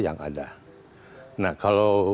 yang ada nah kalau